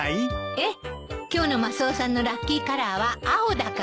ええ今日のマスオさんのラッキーカラーは青だから。